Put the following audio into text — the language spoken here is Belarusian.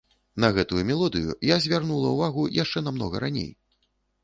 На гэтую мелодыю я звярнула ўвагу яшчэ намнога раней.